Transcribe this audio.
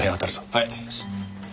はい。